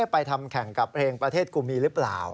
ไปทำแข่งกับเพลงประเทศกูมีหรือเปล่า